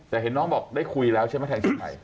แต่เห็นน้องบอกได้คุยแล้วใช่ไหมคัทแถมเชียงใหม่